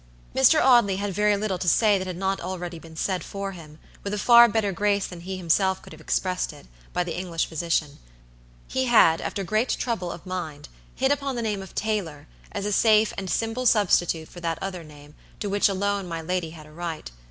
Mr. Audley had very little to say that had not been already said for him, with a far better grace than he himself could have expressed it, by the English physician. He had, after great trouble of mind, hit upon the name of Taylor, as a safe and simple substitute for that other name, to which alone my lady had a right.